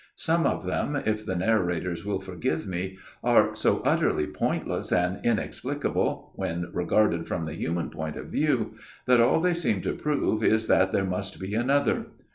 Some of them, if the narrators will forgive me, are so utterly pointless and inexplicable when regarded from the human point of view, that all they seem to prove is that there must be another.